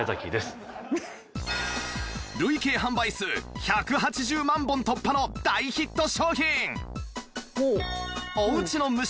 累計販売数１８０万本突破の大ヒット商品！